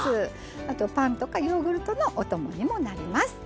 あとパンとかヨーグルトとかのお供にもなります。